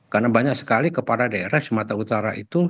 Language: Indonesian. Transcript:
karena banyak sekali kepada daerah sumatera utara itu